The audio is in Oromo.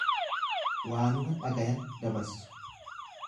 Waanuma dhagayan dabarsu.